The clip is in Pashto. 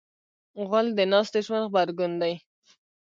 غول د ناستې ژوند غبرګون دی.